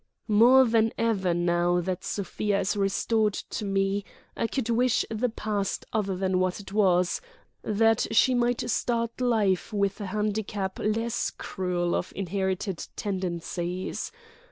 "More than ever, now that Sofia is restored to me, I could wish the past other than what it was, that she might start life with a handicap less cruel of inherited tendencies.